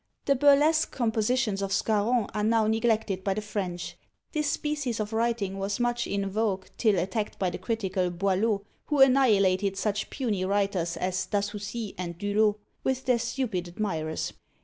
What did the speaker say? The burlesque compositions of Scarron are now neglected by the French. This species of writing was much in vogue till attacked by the critical Boileau, who annihilated such puny writers as D'Assoucy and Dulot, with their stupid admirers.